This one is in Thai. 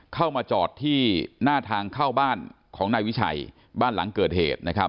เข้ามาจอดที่หน้าทางเข้าบ้านของนายวิชัยบ้านหลังเกิดเหตุนะครับ